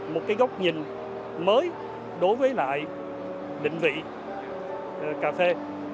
một cái góc nhìn mới đối với lại định vị cà phê